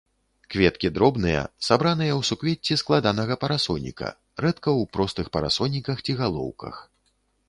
Кветкі дробныя, сабраныя ў суквецці складанага парасоніка, рэдка ў простых парасоніках ці галоўках.